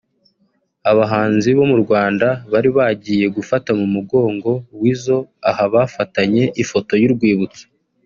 Abahanzi bo mu Rwanda bari bagiye gufata mu mugongo Weasel aha bafatanye ifoto y'urwibutso